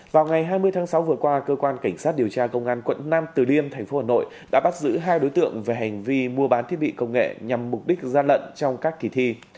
vào ngày hai mươi tháng sáu vừa qua cơ quan cảnh sát điều tra công an quận nam từ liêm thành phố hà nội đã bắt giữ hai đối tượng về hành vi mua bán thiết bị công nghệ nhằm mục đích gian lận trong các kỳ thi